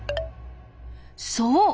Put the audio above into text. そう！